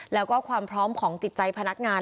แล้วก็ความพร้อมของจิตใจพนักงาน